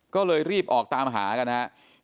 ก็เลยรีบออกตามหากันนะครับ